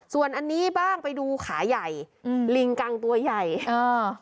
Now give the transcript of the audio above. ส่วนอันนี้บ้างไปดูขาใหญ่อืมลิงกังตัวใหญ่อ่า